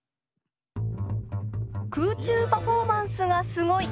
空中パフォーマンスがすごい！